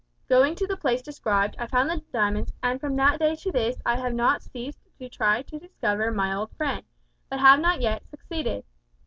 "Going to the place described, I found the diamonds; and from that day to this I have not ceased to try to discover my old friend, but have not yet succeeded.